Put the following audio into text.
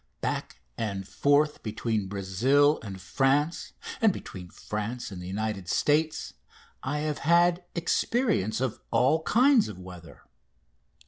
Back and forth between Brazil and France and between France and the United States I have had experience of all kinds of weather.